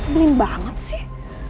belin banget sih